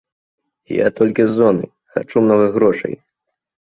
Я толькі з зоны, хачу многа грошай.